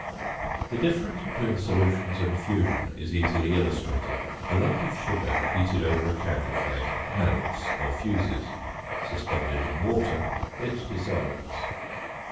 The difference between solution and fusion is easily illustrated: a lump of sugar heated over a candle flame melts or fuses; suspended in water it dissolves.